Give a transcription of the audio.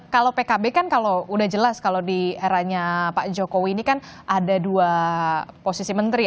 kalau pkb kan kalau udah jelas kalau di eranya pak jokowi ini kan ada dua posisi menteri